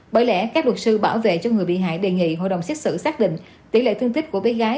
bởi lẽ các luật sư bảo vệ cho người bị hại đề nghị hội đồng xét xử xác định tỷ lệ thương tích của bé gái